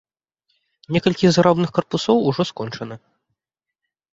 Некалькі зграбных карпусоў ужо скончаны.